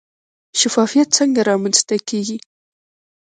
شفافیت څنګه رامنځته کیږي؟